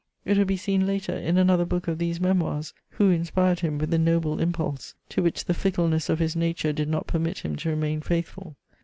It will be seen later, in another book of these Memoirs, who inspired him with the noble impulse to which the fickleness of his nature did not permit him to remain faithful.